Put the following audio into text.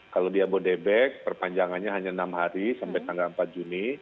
kalau di abodebek perpanjangannya hanya enam hari sampai tanggal empat juni